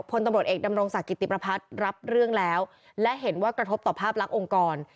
พลตำรวจเอกดำรงศักดิติประพัฒน์รับเรื่องแล้วและเห็นว่ากระทบต่อภาพลักษณ์องค์กร